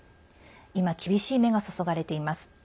今、厳しい目が注がれています。